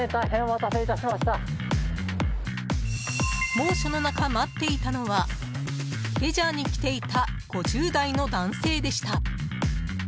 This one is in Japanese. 猛暑の中、待っていたのはレジャーに来ていた５０代の男性でした。